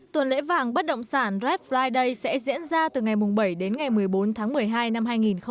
tuần lễ vàng bất động sản red friday sẽ diễn ra từ ngày bảy đến ngày một mươi bốn tháng một mươi hai năm hai nghìn một mươi tám